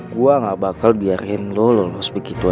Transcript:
gue gak bakal biarin lo lolos begitu aja